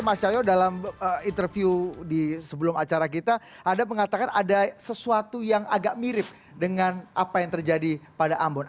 mas cahyo dalam interview di sebelum acara kita anda mengatakan ada sesuatu yang agak mirip dengan apa yang terjadi pada ambon